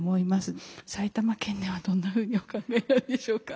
埼玉県ではどんなふうにお考えなんでしょうか？